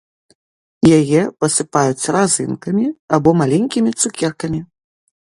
Яе пасыпаюць разынкамі або маленькімі цукеркамі.